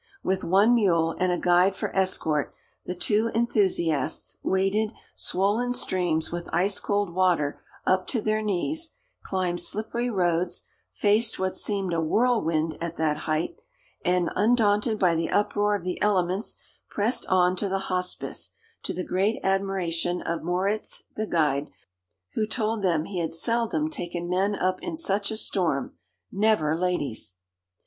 With one mule and a guide for escort, the two enthusiasts waded swollen streams with ice cold water up to their knees, climbed slippery roads, faced what seemed a whirlwind at that height, and, undaunted by the uproar of the elements, pressed on to the Hospice, to the great admiration of Moritz, the guide, who told them he had seldom taken men up in such a storm, never ladies.